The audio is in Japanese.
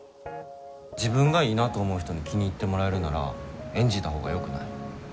自分がいいなと思う人に気に入ってもらえるなら演じたほうがよくない？